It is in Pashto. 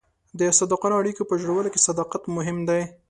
د صادقانه اړیکو په جوړولو کې صداقت مهم دی.